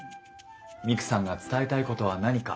ミクさんが伝えたいことは何か？